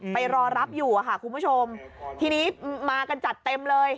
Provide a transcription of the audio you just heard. ไปรอรับอยู่อะค่ะคุณผู้ชมทีนี้มากันจัดเต็มเลย